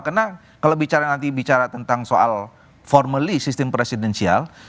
karena kalau bicara nanti bicara tentang soal formally sistem presidensial